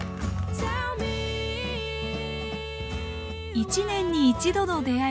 １年に１度の出会い。